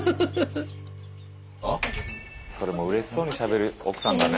それもうれしそうにしゃべる奥さんだね。